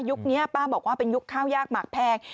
นี้ป้าบอกว่าเป็นยุคข้าวยากหมากแพง